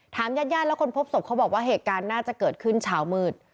ญาติญาติแล้วคนพบศพเขาบอกว่าเหตุการณ์น่าจะเกิดขึ้นเช้ามืด